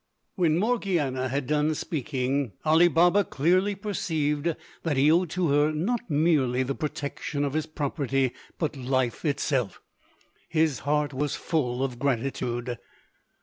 When Morgiana had done speaking Ali Baba clearly perceived that he owed to her not merely the protection of his property but life itself. His heart was full of gratitude.